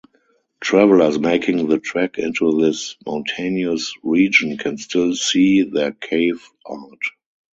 Travelers making the trek into this mountainous region can still see their cave art.